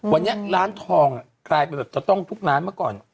วันนี้ร้านทองคลายไปแบบได้เป็นทุกร้านมาก่อน